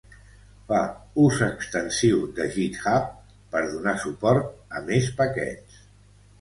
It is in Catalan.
Fa ús extensiu de GitHub per donar suport a més paquets.